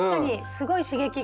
すごい刺激が。